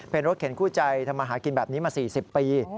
เป็นรถเข็นคู่ใจทำมาหากินแบบนี้มา๔๐ปี